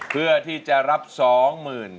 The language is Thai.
เพื่อที่จะรับสองหมื่น